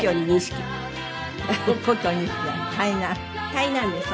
台南です。